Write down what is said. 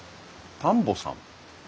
田んぼさん？